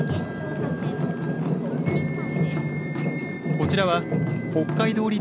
こちらは北海道立